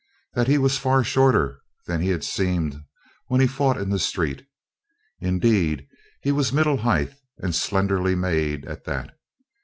That he was far shorter than he had seemed when he fought in the street. Indeed, he was middle height and slenderly made at that.